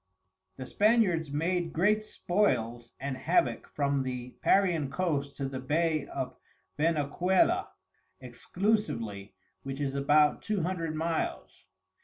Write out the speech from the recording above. The Spaniards made great Spoils and Havock from the Parian Coast to the Bay of Venecuola, exclusively, which is about Two Hundred Miles.